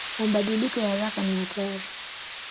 Mabadiliko ya haraka ni hatari.